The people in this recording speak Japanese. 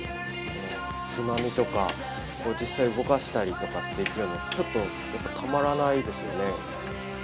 つまみとか、実際に動かしたりできるのはちょっとたまらないですよね。